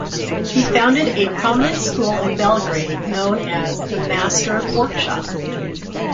He founded a prominent school in Belgrade known as the "Master Workshop".